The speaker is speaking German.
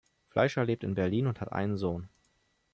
Fleischer lebt in Berlin und hat einen Sohn.